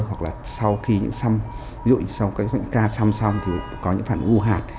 hoặc là sau khi những xăm ví dụ như sau các bệnh ca xăm xong thì có những phản ưu hạt